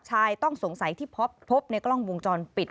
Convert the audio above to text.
ชายต้องสงสัยที่พบในกล้องวงจรปิด